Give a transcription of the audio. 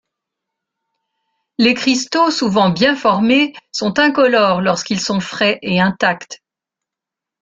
Les cristaux souvent bien formés sont incolores lorsqu'ils sont frais et intacts.